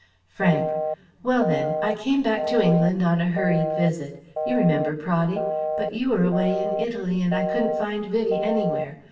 Frank: "Well then. I came back to England on a hurried visit. You remember, Praddy? But you were away in Italy and I couldn't find Vivie anywhere.